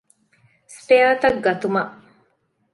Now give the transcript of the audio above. ސްޕެއަރތައް ގަތުމަށް